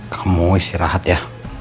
kamu istirahat ya